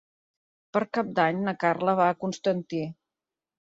Per Cap d'Any na Carla va a Constantí.